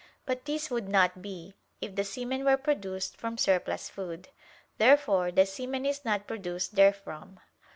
But this would not be, if the semen were produced from surplus food. Therefore the semen is not produced therefrom.